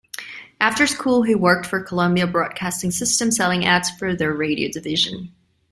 After school, he worked for Columbia Broadcasting System selling ads for their radio division.